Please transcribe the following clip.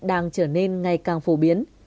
đang trở nên ngày càng phổ biến